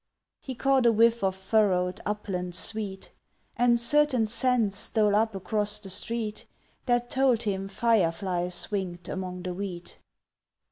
He caught a whiff of furrowed upland sweet, And certain scents stole up across the street That told him fireflies winked among the wheat.